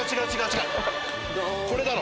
これだろ？